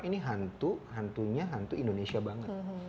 ini hantu hantunya hantu indonesia banget